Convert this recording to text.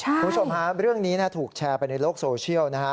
คุณผู้ชมฮะเรื่องนี้ถูกแชร์ไปในโลกโซเชียลนะฮะ